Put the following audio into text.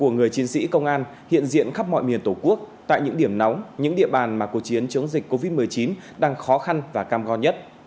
người chiến sĩ công an hiện diện khắp mọi miền tổ quốc tại những điểm nóng những địa bàn mà cuộc chiến chống dịch covid một mươi chín đang khó khăn và cam go nhất